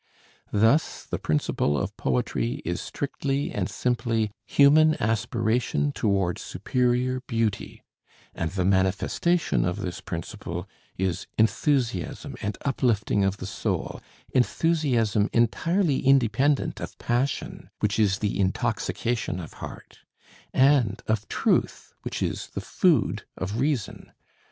"Thus the principle of poetry is strictly and simply human aspiration toward superior beauty; and the manifestation of this principle is enthusiasm and uplifting of the soul, enthusiasm entirely independent of passion, which is the intoxication of heart, and of truth which is the food of reason.